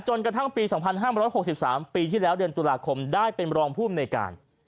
กระทั่งปี๒๕๖๓ปีที่แล้วเดือนตุลาคมได้เป็นรองภูมิในการ